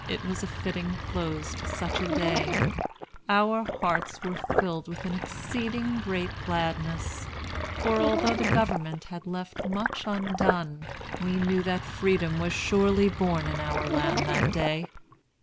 It was a fitting close to such a day. Our hearts were filled with an exceeding great gladness; for although the government had left much undone, we knew that Freedom was surely born in our land that day.